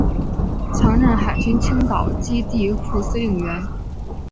曾任海军青岛基地副司令员。